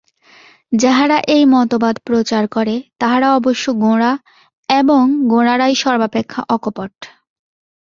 যাহারা এই মতবাদ প্রচার করে, তাহারা অবশ্য গোঁড়া, এবং গোঁড়ারাই সর্বাপেক্ষা অকপট।